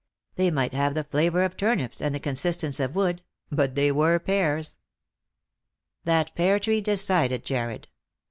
They might have the flavour of turnips and the consistence of wood, but they were pears. That pear tree decided Jarred.